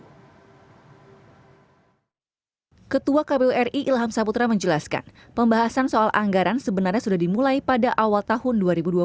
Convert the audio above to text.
ketua kpu ri ilham saputra menjelaskan pembahasan soal anggaran sebenarnya sudah dimulai pada awal tahun dua ribu dua puluh